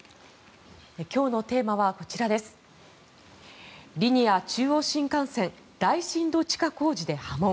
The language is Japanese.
今日のテーマはリニア中央新幹線大深度地下工事で波紋。